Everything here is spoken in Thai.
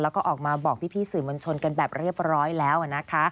แล้วก็ออกมาบอกพี่สื่อมวลชนกันแบบเรียบร้อยแล้วนะคะ